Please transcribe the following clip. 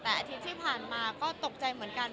แต่อาทิตย์ที่ผ่านมาก็ตกใจเหมือนกัน